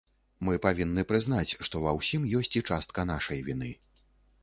Мы павінны прызнаць, што ва ўсім ёсць і частка нашай віны.